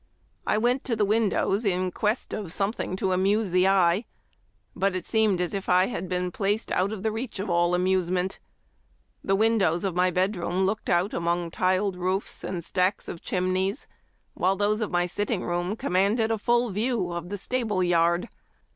I went to the win dows in quest of something to amuse the eye, but it seemed as if I had been placed out of the reach of all amusement. The windows of my bedroom looked out among tiled roofs and stacks of chimneys, while those of my sitting room commanded a full view of the stable yard.